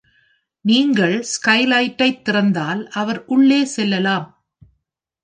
நீங்கள் ஸ்கைலைட்டைத் திறந்தால், அவர் உள்ளே செல்லலாம்.